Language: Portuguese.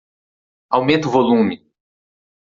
Aumenta o volume.